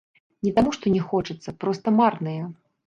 Не таму што не хочацца, проста марныя.